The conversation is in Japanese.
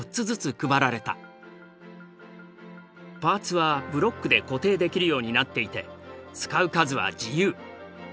パーツはブロックで固定できるようになっていて使う数は自由。